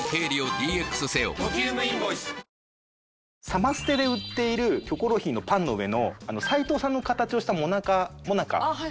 サマステで売っている『キョコロヒー』のパンの上の齊藤さんの形をしたモナカモナカ。